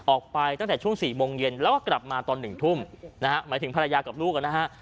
ออกไปตั้งแต่ช่วง๔โมงเย็นแล้วก็กลับมาตอนหนึ่งทุ่มนะฮะหมายถึงภรรยากับลูกนะฮะ